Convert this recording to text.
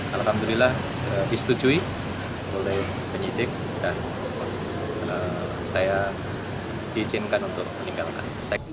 alhamdulillah disetujui oleh penyidik dan saya diizinkan untuk meninggalkan